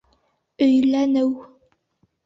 Өйләнеү